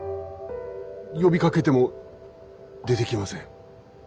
呼びかけても出てきません。